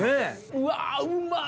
うわうまっ！